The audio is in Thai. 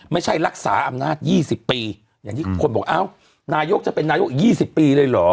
ไม่ใช่รักษาอำนาจ๒๐ปีอย่างที่คนบอกอ้าวนายกจะเป็นนายกอีก๒๐ปีเลยเหรอ